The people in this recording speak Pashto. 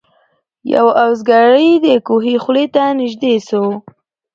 یو اوزګړی د کوهي خولې ته نیژدې سو